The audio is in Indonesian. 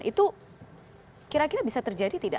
itu kira kira bisa terjadi tidak